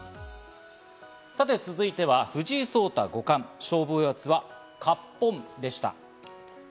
さて、続いては藤井聡太五冠、勝負おやつはかっぽんでした。